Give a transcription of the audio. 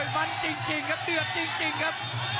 มันจริงครับเดือดจริงครับ